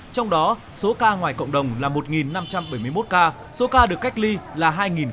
trong đó số ca ngoài cộng đồng là một năm trăm bảy mươi một ca số ca được cách ly là hai năm mươi hai